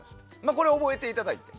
これを覚えていただいて。